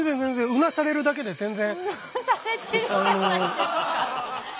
うなされてるじゃないですか。